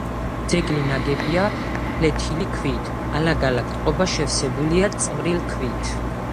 ძეგლი ნაგებია ფლეთილი ქვით; ალაგ-ალაგ წყობა შევსებულია წვრილი ქვით.